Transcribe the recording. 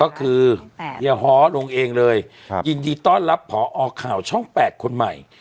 ก็คือเฮียฮ้อลงเองเลยยินดีต้อนรับพอข่าวช่อง๘คนใหม่